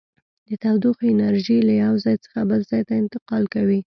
د تودوخې انرژي له یو ځای څخه بل ځای ته انتقال کوي.